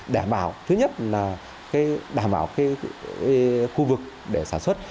đảm bảo thứ nhất là đảm bảo khu vực để sản xuất